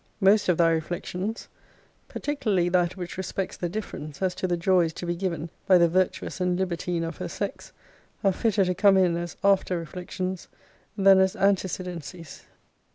Most of thy reflections, particularly that which respects the difference as to the joys to be given by the virtuous and libertine of her sex, are fitter to come in as after reflections than as antecedencies.